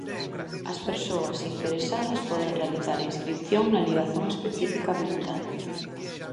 As persoas interesadas poden realizar a inscrición na ligazón específica habilitada.